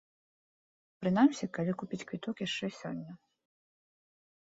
Прынамсі, калі купіць квіток яшчэ сёння.